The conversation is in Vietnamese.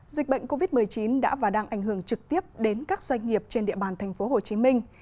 dịch bệnh covid một mươi chín đã và đang ảnh hưởng trực tiếp đến các doanh nghiệp trên địa bàn thành phố hồ chí minh